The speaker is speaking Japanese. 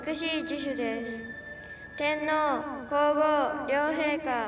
天皇皇后両陛下